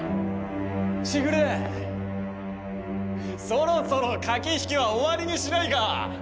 そろそろ駆け引きは終わりにしないか？